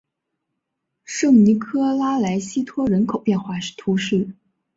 圣尼科拉莱西托人口变化图示